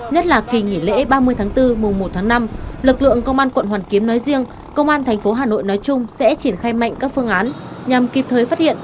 nhất là kỳ nghỉ lễ ba mươi tháng bốn mùa một tháng năm lực lượng công an quận hoàn kiếm nói riêng công an tp hà nội nói chung sẽ triển khai mạnh các phương án nhằm kịp thời phát hiện